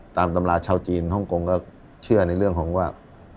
ตำราชาวจีนฮ่องกงก็เชื่อในเรื่องของว่า